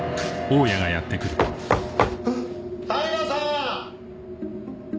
平さん！